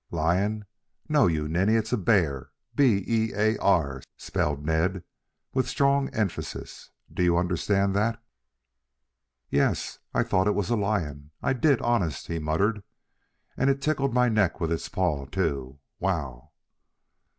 "Lion! No, you ninny, it's a bear. B e a r," spelled Ned, with strong emphasis. "Do you understand that?" "Y y e s. I I I thought it was a lion. I did, honest," he muttered. "And it tickled my neck with its paw, too. Wow!"